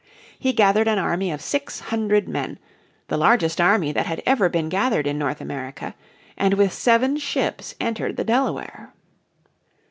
He gathered an army of six hundred men, the largest army that had ever been gathered in North America, and with seven ships entered the Delaware.